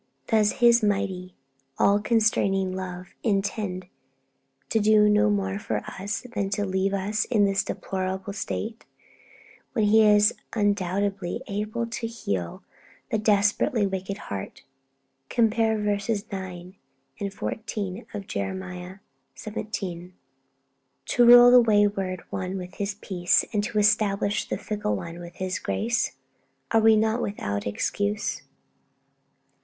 Does His mighty, all constraining love intend to do no more for us than to leave us in this deplorable state, when He is undoubtedly able to heal the desperately wicked heart (compare verses 9 and 14 of Jeremiah xvii.), to rule the wayward one with His peace, and to establish the fickle one with His grace? Are we not 'without excuse'?